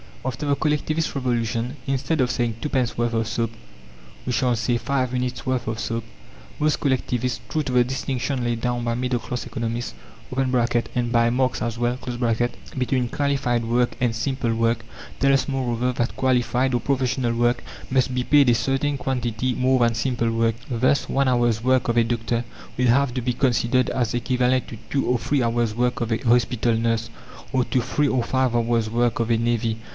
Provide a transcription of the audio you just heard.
After the Collectivist Revolution, instead of saying "twopence worth of soap," we shall say "five minutes' worth of soap." Most collectivists, true to the distinction laid down by middle class economists (and by Marx as well) between qualified work and simple work, tell us, moreover, that qualified or professional work must be paid a certain quantity more than simple work. Thus one hour's work of a doctor will have to be considered as equivalent to two or three hours' work of a hospital nurse, or to three or five hours' work of a navvy.